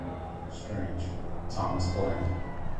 Strange, Thomas Bland.